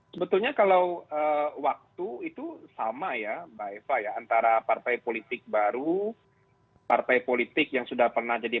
sebetulnya kalau waktu itu sama ya mbak eva ya antara partai politik baru partai politik yang sudah pernah jadi